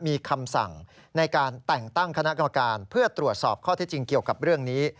มีคำสั่งในการแต่งตั้งคณะกรรมการเพื่อตรวจสอบข้อเท็จจริงเกี่ยวกับเรื่องนี้